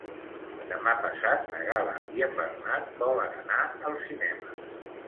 Demà passat na Gal·la i en Bernat volen anar al cinema.